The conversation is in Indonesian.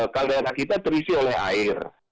kaldera kita terisi oleh air